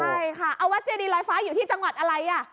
ใช่ค่ะเอาวัดเจดีลอยฟ้าอยู่ที่จังหวัดอะไรอ่ะ